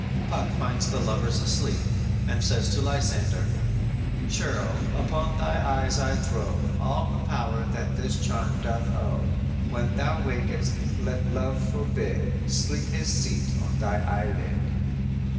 "_ Puck finds the lovers asleep, and says to Lysander: _"Churl, upon thy eyes I throw, All the power that this charm doth owe, When thou wakest, let love forbid Sleep his seat on thy eyelid."